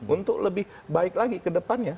untuk lebih baik lagi ke depannya